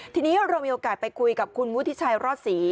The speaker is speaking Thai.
ทีนี้เรามีโอกาสไปคุยกับคุณวุฒิชัยรอดศรี